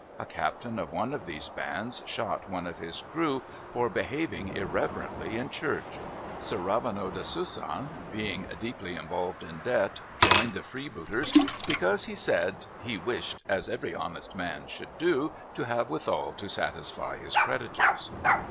A captain of one of these bands shot one of his crew for behaving irreverently in church. Sir Raveneau de Sussan, being deeply involved in debt, joined the freebooters because, he said, "he wished, as every honest man should do, to have withal to satisfy his creditors."